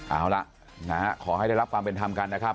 เอาล่ะขอให้ได้รับความเป็นธรรมกันนะครับ